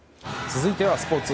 続いてはスポーツ。